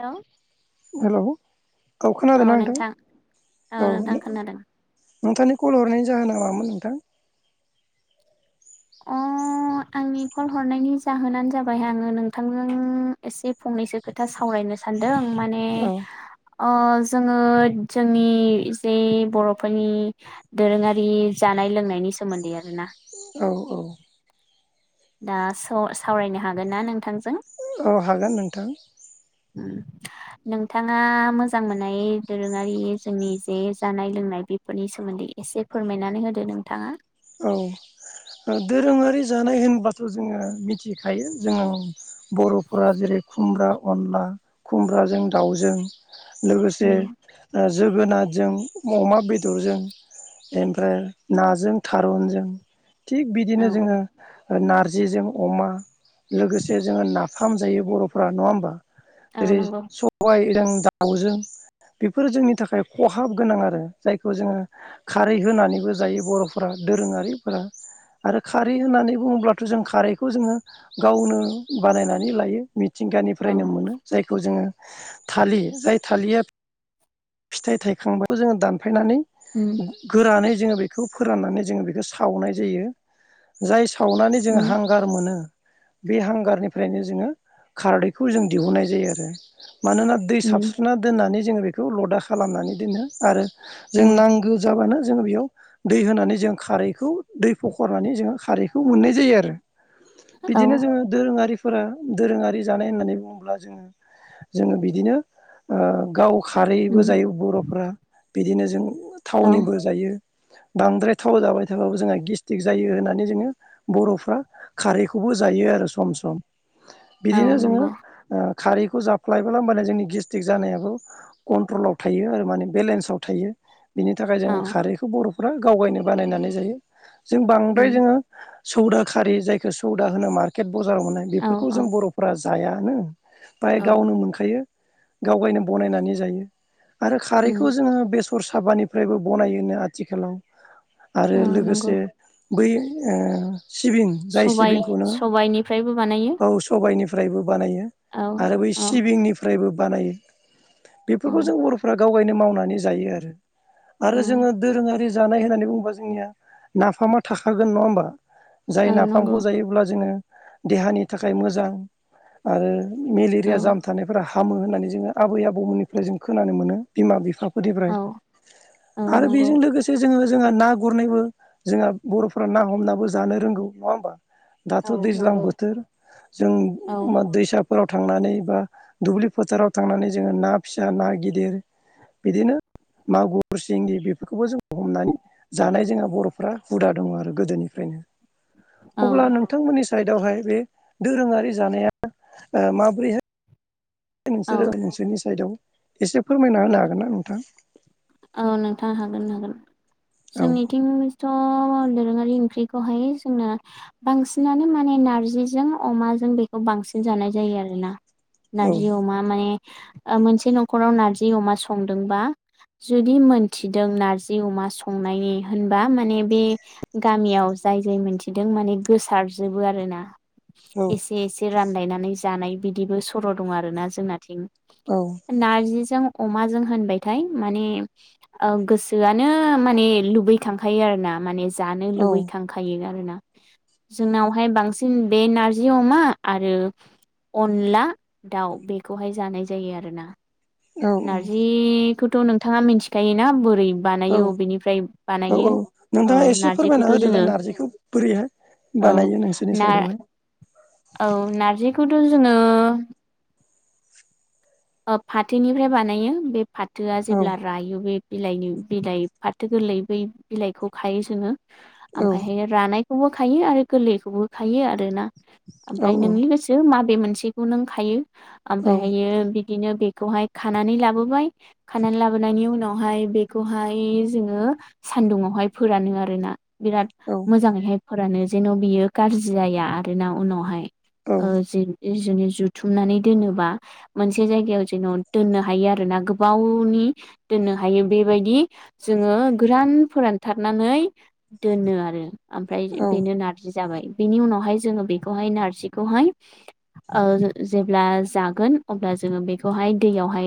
Hello hello औ खोनादोंना नोंथां? ओ औ नोंथां खोनादों नोंथांनि कल हरनायनि जाहोना मामोन नोंथां? आ अ आंनि कल हरनायनि जाहोनानो जाबाय आंङो नोंथांजों एसे फंनैसो खोथा सावराय नो सानदों माने औ अ जोंङो जोंनि जे बर'फोरनि दोरोंङारि जान नाय लोंनायनि सोमोन्दै आरो ना औ -औ दा स' सावरायनो हागोन ना नोंथांजो औ हागोन नोंथां उम नोंथाङा मोजां मोननाय दोरोंङारि जोंनि जे जानाय लोंनाय बेफोरनि सोमोन्दै एसे फोरमायनानै होदो नोंथांङा औ ओ दोरोंङारि जानाय होनबाथ' जोंङो मिथिखायो जोंङो बर'फोरा जेरै खुमब्रा अनला खुमब्राजों दाउजों लोगोसे ओ ज जोगोनादजों अमा बेदरजों एनफ्राय नाजों थारुनजों थिग बिदिनो औ जोंङो ओ नारजिजों अमा लोगोसे जोङो नाफाम जायो बर'फ्रा नंङा होमबा? औ ओरै नंगौ सबायजों दाउजों बेफोरो जोंनि थाखाय खहाब गोनां आरो जायखौ जोंङो खारै होनानैबो जायो बर'फ फोरा दोरोंङारिफोरा आरो खारै होननानै बुङोब्लाथ' जों खारैखौ जोंङो गावनो बानायनानै लायो औ मिथिंगानिफ्रायनो मोनो जायखौ जोंङो थालि जाय थालिया फिथाइ थायखांबाबो जोंङो दान फायनानै उम गोरानै जोंङो बेखौ फोराननानै जोंङो बेखो सावनाय जायो जाय सावनानै जोंङो उम हांगार मोनो बे हांगारनिफ्रायनो जोंङो खारदैखौ जों दिहुननाय जायो आरो। मानोना दै उम साबस्रिना दोननानै जोंङो बेखौ लदा खालामनानै दोनो आरो जों उम नांगौ जाबानो जोंङो बियाव दै होनानै जों खारैखौ दै फखरनानै जोंङो खारैखौ मोननाय जायो आरो। औ बिदिनो जोंङो दोरोंङारि फ फोरा दोरोंङारि जानाय होननानै बुंङोब्ला जोंङो जोंङो बिदिनो ओ गाव खारैबो उम जायो बर'फोरा बिदिनो जों औ थावनिबो जायो। बांद्राय थाव जाबाय थाबाबो जोंहा गेस्टिक जायो होननानै जोंङो बर'फ्रा खारैखौबो जायो आ रो सम सम औ बिदिनो जोंङो नंगौ ओ खारैखौ जाफ्लायबोला ओमबानो जोंनि गेस्ट्रिक जानायाबो कन्ट्रलाव थायो आरो माने बेलेन्साव थायो। बिनि थाखाय औ जोङो खारैखौ बर'फ्रा गावगायनो बानायनानै जायो जों बांद्राय उम जोङो सौदा खारि जायखौ सौदा होनो मार्केट बजाराव मोननाय औ बेफोरखौ जों औ बर'फोरा जायानो। बाय औ गावनो मोनखायो गाव गायनो बनायनानै जायो। आरो खारैखौ उम जोङो बेसर साबानिफ्रायबो बनायोनो आथिखालाव। आरो औ नंगौ लोगोसे बै ओ सिबिं जाय सबाइ सिबिंखौ नोङो सबाइनिफ्रायबो बानायो औ सबायनिफ्राय निफ्रायबो बानायो औ आरो बै औ सिबिंनिफ्रायबो बानायो औ बेफोरखौ जों बर'फ्रा गावगायनो मावनानै जायो आरो आरो उम जोङो दोरोङारि जानाय होन्नानै बुंङोबा जोंनिया नाफामा थाखागोन नङा होमबा। जाय औ नंगौ नाफामखौ जायोब्ला जोङो देहानि थाखाय मोजां आरो औ मेलेरिया जाम थानायफोरा हामो होननानै जोङो आबै आबौमोननिफ्राय जों खोनानो मोनो बिमा बिफा औ फोरफ्राय औ आरो नंगौ बेजों लोगोसे जोङो जोंहा ना गुरनायबो जोंहा बर'फोरा ना हमनाबो जानो रोंगौ नङा होमबा। दाथ' औ दैज्लां नंगौ बोथोर जों औ दैसा फोराव थांनानै बा दुब्लि फोथाराव थांनानै जोङो ना फिसा ना गिदिर बिदिनो मागुर सिंगि बे बेखौबो जों हमनानै जानाय जोंहा बर'फ्रा हुदा दङ आरो गोदोनिफ्रायनो औ अब्ला नोंथांमोननि साइदआवहाय बे दोरोङारि जानाया माबोरैहाय औ नोंसोरो नोंसोरनि साइदआव एसे फोरमायना होनो हागोन ना नोंथां। औ नोंथां हागोन हागोन औ जोंनिथिंथ' दोरोङारि ओंख्रिखौहाय जोंना बांसिनानो माने नारजिजों अमाजों बेखौ बां सिन जानाय जायो आरोना। औ नारजि अमा माने मोनसे न'खराव नार्जि अमा संदोंबा जुदि मोनथिदों नारजि अमा संनायनि होनबा माने बे गामियाव जाय जाय जाय मिथिदों माने गोसारजोबो आरोना। औ एसे एसे रानलायनानै जानाय बिदिबो सर' दं आरो ना जोंनाथिं औ नारजिजों अमाजों होनबायथाय माने गोसोआनो माने लुबैखांखायो आरो ना माने जानो लुबैखांखायो आरोना। जोंनावहाय बांसिन बे नारजि अमा आरो अनला दाउ बेखौहाय जानाय जायो आरोना। औ नारजिखौथ' नोंथाङा मिथि खायोना बोरै औ बानायो अबेनिफ्राय औ बानायो औ औ नोंथाङा एसे फोरमायना नारजिखौथ' जोङो होदोलाय नारजिखौ बोरैहाय औ बानायो नोंसोरनि ना साइदावहाय औ नारजिखौथ' जोङो फाथोनिफ्राय बानायो बे फाथोआ औ जेब्ला रायो बे बिलाइनि बिलाइ फाथो गोरलै बै बिलाइखौ खायो जोङो औ आमफ्रायहाय रानाय खौबो खायो आरो गोरलैखौबो खायो आरोना औ आमफ्राय औ नोंनि गोसो मा बे मोनसेखौ नों खायो औ आमफ्राय हायो बिद दिनो बेखौहाय खानानै लाबोबाय खानानै लाबोनायनि उनावहाय बेखौहाय जोंङो सान्दुं आवहाय फोरानो आरोना। बिराद औ मोजांङैहाय फोरानो जेन' बियो गाज्रि जाया आरोना उनावहाय। औ ओ जो जोनि जुथुमनानै दोनोबा मोन से जायगायाव जेन' दोननो हायो आरोना गोबावनि दोननो हायो बेबायदि जोंङो गोरान फोरानथारनानै दोनो आरो आमफ्राय औ बेनो नार्जि जाबाय बेनि उनावहाय जोङो बेखौहाय नारजिखौहाय ओ जेब्ला जागोन अब्ला जोङो बेखौहाय दैयावहाय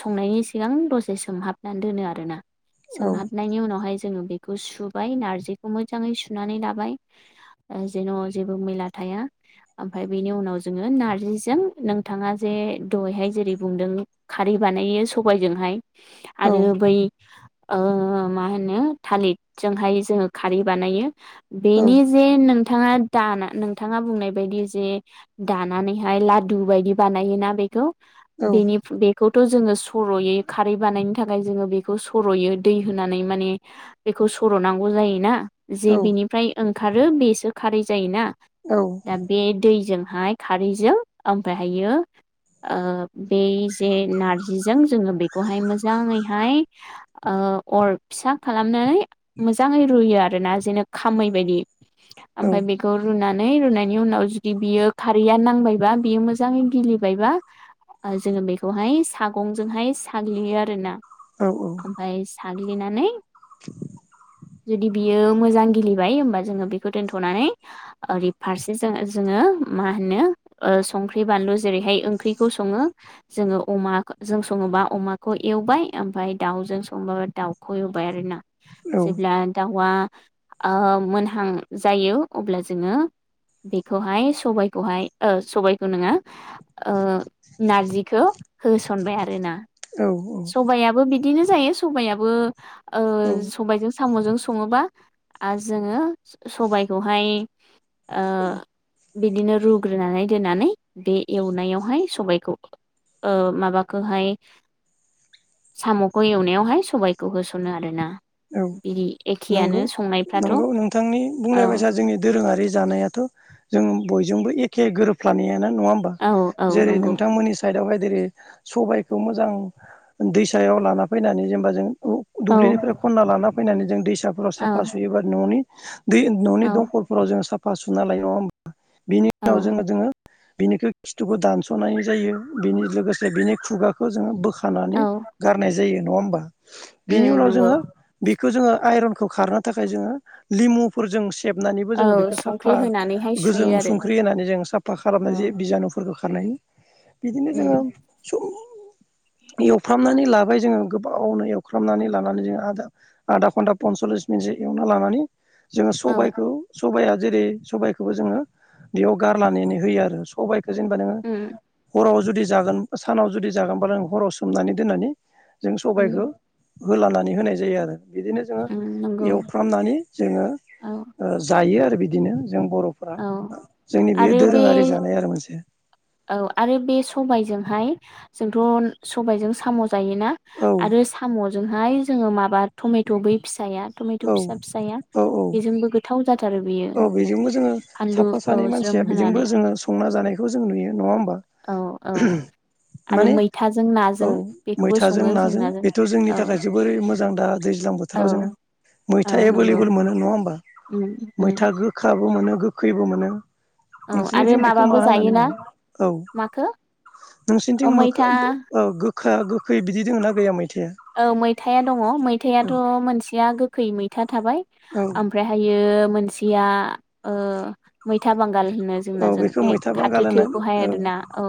संनायनि सिगां दसे सोमहाबनानै दोनो आरोना औ सोमहाबनायनि उनावहाय जोङो बेखौ सुबाय नारजिखौ मोजाङै सुनानै लाबाय जेन' जेबो मैला था या ओमफ्राय बेनि उनाव जों नारजिजों नोंथाङा जे दहैहाय जेरै बुंदों खारै बानायो सबायजोंहाय औ आरो बै ओ मा होनो थालिरजोंहाय जोङो खारै बानायो। बेनि जे नों नोंथाङा दाना नोंथाङा बुंनाय बायदि जे दानानैहाय लादु बायदि बानायोना बे बेखौ औ बेनि बे खौथ' जोङो सर'यो खारै बानायनो थाखाय जोङो बेखौ सर'यो दै होनानै माने बे बेखौ सर'नांगौ जायोना। जे बेनिफ्राय ओंखारो बेसो खारै जायोना। औ औ दा बे दै जोंहाय खारैजों ओमफ्रायहायो ओ बे जे नारजिजों जोङो बेखौहाय मोजाङैहाय ओ अर फिसा खालामनानै मोजाङै रुयो आरोना जेनो खामै बायदि। ओमफाय बेखौ रुनानै नै रुनायनि उनाव जुदि बियो खारैया नांबायबा बियो मोजाङै गिलि बायबा जोङो बेखौहाय सागंजोंहाय साग्लियो आरो ना। औ औ नाग्लिनानै जुदि बियो मोजां गिलिबाय होमबा जोङो बेखौ दोनथ'नानै ओरै फारसे जों जोङो मा होनो ओ संख्रै बानलु जेरैहाय ओंख्रिखौ सङो जोङो अमा जों सङोबा अमाखौ एवबाय ओमफ्राय दाउ दाउजों संबाबो दाउखौ एवबाय आरो ना जेब्ला दाउवा ओ मोनहां जायो अब्ला जोङो बेखौहाय सबाइखौहाय ओ सबाइखौ नङा ओ नारजिखौ होसनबाय आरोना सबाइबो बिदिनो जायो सबायाबो ओ औ सबाइजों साम'जों सङोबा जोङो सबाइखौहाय ओ बिदिनो रुग्रोनानै दोननानै बे एवनायावहाय सबाइखौ ओ माबाखोहाय साम'खौ एवनायावहाय सबाइखौ होस'नो आरोना बिदि। एखेयानो सङो नोंगौ नोंथांनि बुंनाय बायसा जोंनि दोरोङारि जानायाथ' जों बयजोंबो ए एखे गोरोबफानायानो नङा होमबा। औ औ जेरै नंगौ नोंथांमोननि साइडआवहाय जेरै सबायखौ मोजां दैसायाव लाना फैनानै जेनबा जों औ दुब्लिनिफ्राय खनना लाना फैनानै जों दैसाफोराव औ साफा सुयोबा न'नि दै औ न'नि दंखलफोराव जों साफा सुना लायो नङा होमबा। बिनि उनाव औ जोङो जोङो बिनिखो खिथुखो दानस'नाय जायो बिनि लोगोसे बिनि खुगाखौ जोङो बोखा खानानै औ गारनाय जायो नङा होमबा। बिनि उम उनाव नंगौ जोङो बेखौ जोङो आइरनखौ खारनो थाखाय जोङो लिमुफोरजों सि सेेबनानैबो औ जोङो बेखौ साफा संख्रि होनानैहाय गोजों सुयो आरो संख्रि होनानै जों साफा औ खालामनाय जे बिजानुफोरखौ खारनाय बिदिनो जोङो उम स एवफ्रामनानै लाबाय जोङो गोबावनो एवफ्रामनानै लानानै जोङो आदा आधा घन्टा पनसल्लिस मिनिटसो एवना लानानै जोङो औ सबायखौ सबाइआ जेरै सबायखौबो जोङो बेयाव गारनानै होयो आरो सबाय जेनेबा नोङो उम हराव जुदि जागोन सानाव जुदि जागोनबा नों हराव सोमनानै दोननानै जों सबायखौ उम होलानानै होनाय जायो आरो। बिदिनो जोङो उम नंगौ एवफ्रामनानै जोङो औ ओ जायो आरो बिदिनो। जों बर'फ्रा औ जोंनि बेयो आरो बे दोरोङारि जानाय आरो मोनसे। औ आरो बे सबायजोंहाय जोंथ सबायजों साम जायोना औ आरो साम जोंहाय माबा टमेट बै फि या टमेट' औ फिसा फिसाया औ औ बेजोंबो गोथाव जा बेयो औ बेजोंबो जोङो फानलु साफा औ सानै मानसिया ज्रोम बेजोंबो होनानै जोङो संना जानायखौ जों नुयो नङा होमबा औ औ आरो माने मैथाजों औ नाजों बेखौबो मैथाजों सङो जों नाजों बेथ जोंनि औ थाखाय जोबोरै मोजां दा दैज्लां औ बोथोराव जोङो औ मैथा नंगौ एभेलेबोल मोनो नङा होनोमबा उम उम मोन गोखैबो मोनो औ आरो नोंसिोरनिथिं बेखौ मा माबाबो होननानै जायोना बुङो औ माखो नोंसिनिथिं अ मो मैथा गोखा गोखै बिदि दोङ ना गैयामोन औ मैथाया दङ मैथायाथ' मोनसेया गोखै मैथा थाबाय औ ओमफाहायो मोनसेया ओ मैथा बां गाल होनो औ जोंनाजों बेखौ बे मैथा बांगाल खाथो होनो थोखौहाय औ आरोना औ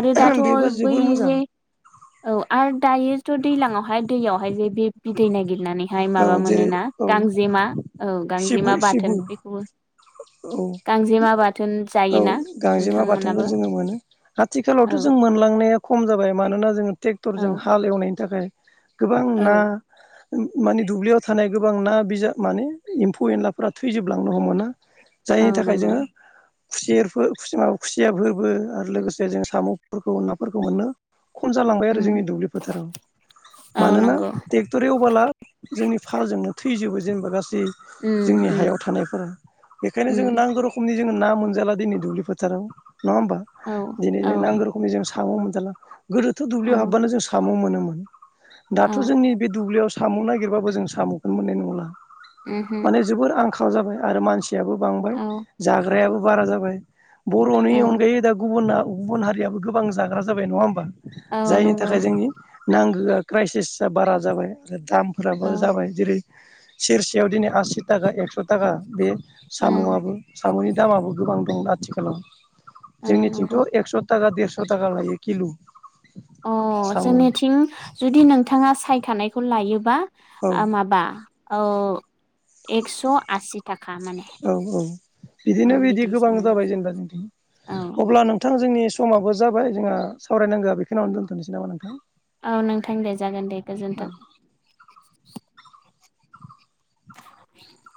आरो औ दाथ' बेबो बै जोबोर मोजां जे औ आरो दायोथ दैलाङावहाय दैयावहाय जे बे बिदै नागिरनानै बेहाय औ माबा जेरै मोनोना औ गांजेमा औ सिबु गांजेमा सिबु बाथोन बेखौबो गांजेमा बाथोन औ औ जायोना गांजेमा बाथोनखौ नोंथांमोनाबो जोङो मोनो औ आथिखालावथ जों मोनलांनाया खम जाबाय मानोना जोङो औ ट्रेक्टरजों हाल एवनायनि थाखाय गोबां ना मानि दुब्लियाव थानाय गोबां ना बिजाब माने एम्फौ एनलाफोरा थैजोबलांनो हमो ना जायनि औ थाखाय नंगौ जोङो खुसिरफोर माबा खुसियाफोरबो आरो लोगोसे जों साम'फोरखौ नाफोरखौ मोनो खम जालांबाय आरो जोंनि उम दुब्लि फोथाराव औ मानोना नंगौ ट्रेक्टर एवबोला जोंनि फालजोंनो थै थैजोबो जेनेबा गासै उम जोंनि उम हायाव थानायफोरा बेखायनो जों उम नांगौ रखनि जो मोनजाला दिनै दुब्लि फोथाराव नङा होनबा औ दिनै औ जों नांगो रोखोमनि साम' मोनजाला गोदोथ औ दुब्लियाव हाबबानो जों साम मोनोमोन दाथ औ जोंनि बे दुब्लियाव साम नागिरबाबो जों सामखौनो मोननाय नंला उमहो माने जोबोर आंखाल जाबाय आरो मा बांबाय औ जाग्रायाबो बारा जाबाय बर'नि औ अनगायै दा गुबुना गुबुन हारियाबो गोबां जाग्रा जाबाय नङा होमबा औ जायनि नंगौ थाखाय जोंनि नांगौआ क्राइसिस बारा जाबाय आरो औ दामफोराबो जाबाय जेरै सेरसेयाव दिनै आसि थाखा एक्स' थाखा बे उम साम'बो साम'नि दामाबो गोबां दं आथिखालाव औ जोंनिथिंथ नंगौ एक्स' थाखा देरस' थाखा लायो किल' अ साम' औ जोंनिथिं जुदि नोंथाङा सायखानायखौ लायोबा ओ औ माबा एक्स' आसि था औ औ बिदिनो बिदि गोबां बिदिसो मोजां जाबाय जेनेबा औ जों अब्ला नोंथां जोंनि समाबो जाबाय जोंहा सावरायनांगौआ बेखौनो आनो दोनथ'नोसै नामा नोंथां औ नोंथां दे जागोन दे गोजोन्थों औ [unintelligible]